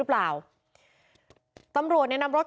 พวกมันต้องกินกันพี่